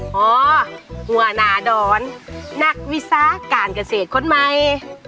อ๋อหัวหนาดอนนักวิศาการเกษตรคนใหม่